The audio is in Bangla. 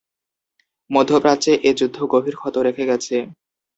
মধ্যপ্রাচ্যে এই যুদ্ধ গভীর ক্ষত রেখে গেছে।